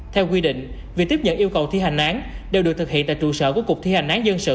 theo quy định việc tiếp nhận yêu cầu thi hành án đều được thực hiện tại trụ sở của cục thi hành án dân sự